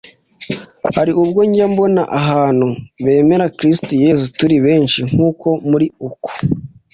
hari ubwo njya mbona abantu bemera Kristu Yezu turi benshi nk’uko muri uku